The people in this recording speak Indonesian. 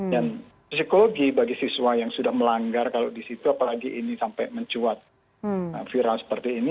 dan psikologi bagi siswa yang sudah melanggar kalau di situ apalagi ini sampai mencuat viral seperti ini